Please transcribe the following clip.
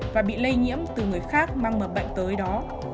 và bị lây nhiễm từ người khác mang mầm bệnh tới đó